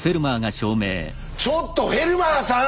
ちょっとフェルマーさん